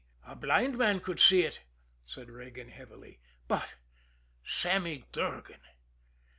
"A blind man could see it," said Regan heavily, "but Sammy Durgan!"